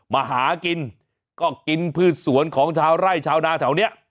มาหากินก็กินพืชสวนของชาวไร่ชาวนาแถวนี้